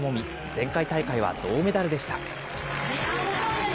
前回大会は銅メダルでした。